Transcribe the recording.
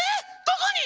どこに？